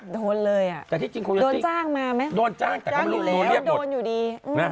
โดนเลยอะโดนจ้างมาไหมโดนอยู่แล้วโดนอยู่ดี